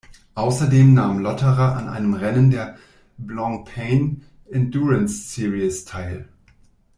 Außerdem nahm Lotterer an einem Rennen der Blancpain Endurance Series teil.